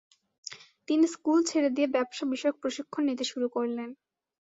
তিনি স্কুল ছেড়ে দিয়ে ব্যবসা বিষয়ক প্রশিক্ষণ নিতে শুরু করলেন।